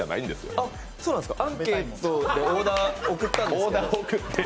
あっ、そうなんですかアンケートでオーダー送ったんですけど。